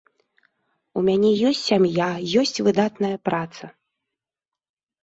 У мяне ёсць сям'я, ёсць выдатная праца.